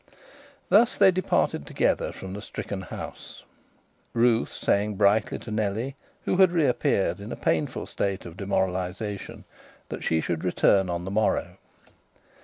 Thus they departed together from the stricken house, Ruth saying brightly to Nellie, who had reappeared in a painful state of demoralisation, that she should return on the morrow.